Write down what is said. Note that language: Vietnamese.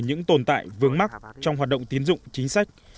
những tồn tại vướng mắc trong hoạt động tiến dụng chính sách